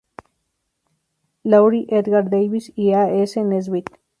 Laurie, Edgar Davis y A. S. Nesbit.